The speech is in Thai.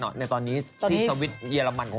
สนับสนุนโดยดีที่สุดคือการให้ไม่สิ้นสุด